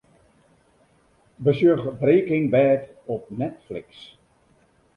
Besjoch 'Breaking Bad' op Netflix.